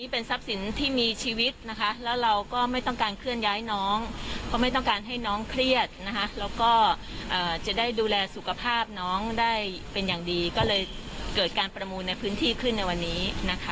เป็นทรัพย์สินที่มีชีวิตนะคะแล้วเราก็ไม่ต้องการเคลื่อนย้ายน้องเพราะไม่ต้องการให้น้องเครียดนะคะแล้วก็จะได้ดูแลสุขภาพน้องได้เป็นอย่างดีก็เลยเกิดการประมูลในพื้นที่ขึ้นในวันนี้นะคะ